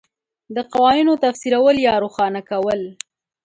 د قوانینو تفسیرول یا روښانه کول